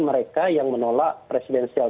mereka yang menolak presidensial